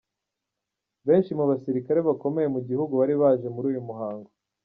Benshi mu basirikare bakomeye mu gihugu bari baje muri uyu muhango.